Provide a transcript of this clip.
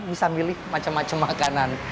bisa milih macam macam makanan